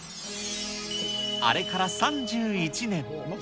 あれから３１年。